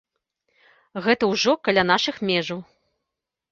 Гэта ўжо каля нашых межаў.